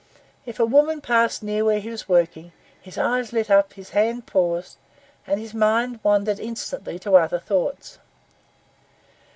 If a woman passed near where he was working, his eyes lit up, his hand paused, and his mind wandered instantly to other thoughts.